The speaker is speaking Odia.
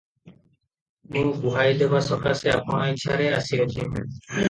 ମୁଁ ଗୁହାଇ ଦେବା ସକାଶେ ଆପଣା ଇଛାରେ ଆସିଅଛି ।